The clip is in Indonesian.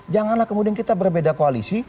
janganlah kemudian kita berbeda koalisi